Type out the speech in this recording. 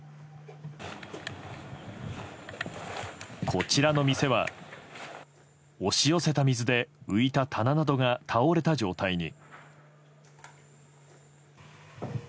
こちらの店は押し寄せた水で浮いた棚などが倒れた状態に。